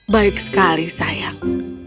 baik sekali sayang